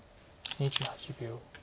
２８秒。